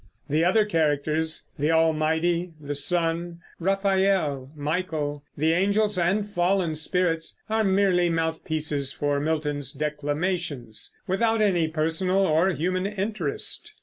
The other characters, the Almighty, the Son, Raphael, Michael, the angels and fallen spirits, are merely mouthpieces for Milton's declamations, without any personal or human interest.